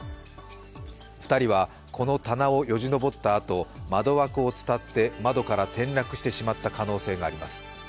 ２人はこの棚をよじ登ったあと、窓枠を伝って窓から転落してしまった可能性があります。